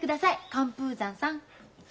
寒風山さん。